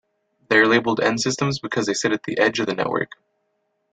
They are labeled end systems because they sit at the edge of the network.